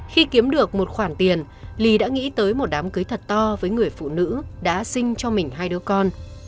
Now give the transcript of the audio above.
khi kiếm được một khoản tiền lì đã nghĩ tới một đám cưới thật to với người phụ nữ đã sinh cho mình hai đứa con